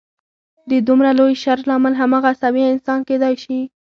د دومره لوی شر لامل هماغه عصبي انسان کېدای شي